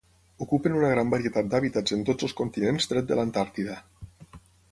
Ocupen una gran varietat d'hàbitats en tots els continents tret de l'Antàrtida.